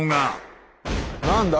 何だ？